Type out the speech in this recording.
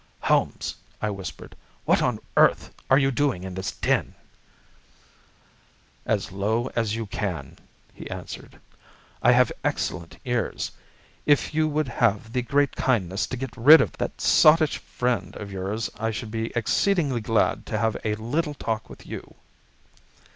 "Holmes!" I whispered, "what on earth are you doing in this den?" "As low as you can," he answered; "I have excellent ears. If you would have the great kindness to get rid of that sottish friend of yours I should be exceedingly glad to have a little talk with you."